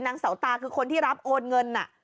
นางเสาตาคือคนที่รับโอนเงิน